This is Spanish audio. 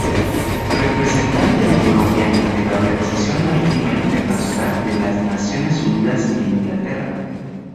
Representante de Colombia ante la Organización Marítima Internacional de las Naciones Unidas en Inglaterra.